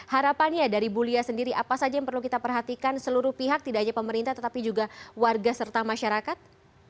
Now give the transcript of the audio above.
harapannya dari bu lia sendiri apa saja yang perlu kita perhatikan seluruh pihak tidak hanya pemerintah tetapi juga warga serta masyarakat